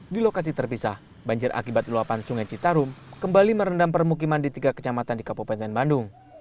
di lokasi terpisah banjir akibat luapan sungai citarum kembali merendam permukiman di tiga kecamatan di kabupaten bandung